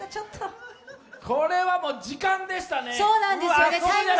これは時間でしたね。